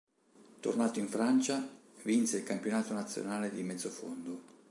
Tornato in Francia vinse il campionato nazionale di mezzofondo.